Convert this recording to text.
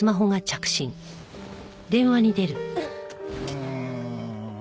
うん。